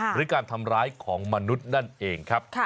หรือการทำร้ายของมนุษย์นั่นเองครับ